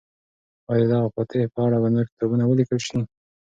آیا د دغه فاتح په اړه به نور کتابونه ولیکل شي؟